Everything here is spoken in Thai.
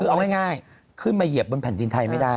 คือเอาง่ายขึ้นมาเหยียบบนแผ่นดินไทยไม่ได้